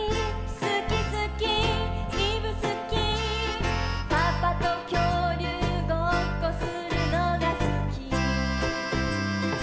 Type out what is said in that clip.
「すきすきいぶすき」「パパときょうりゅうごっこするのがすき」